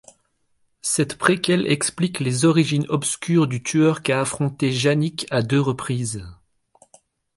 Cette préquelle explique les origines obscures du tueur qu'a affronté Jannicke à deux reprises.